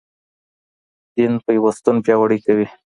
دين پيوستون پياوړی کوي.